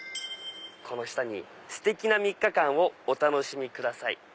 この下に「ステキな３日間をお楽しみください」。